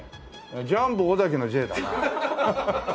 ジャンボ尾崎のＪだな。